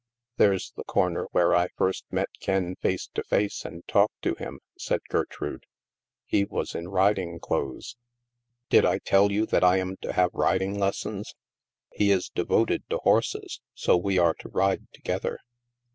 " There's the corner where I first met Ken face to face and talked to him,^ said Gertrude. *' He was in riding clothes. Did I tell you that I am to have riding lessons? He is devoted to horses; so we are to ride together."